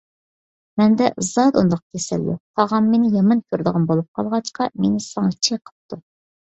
مەندە زادى ئۇنداق كېسەل يوق؛ تاغام مېنى يامان كۆرىدىغان بولۇپ قالغاچقا، مېنى ساڭا چېقىپتۇ.